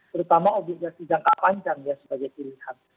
terutama obligasi jangka panjang ya sebagai pilihan